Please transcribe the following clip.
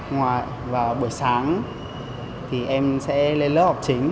ngoài bữa sáng em sẽ lên lớp học chính